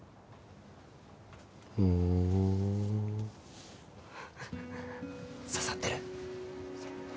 ほお刺さってる？